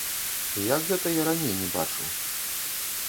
І як гэта я раней не бачыў.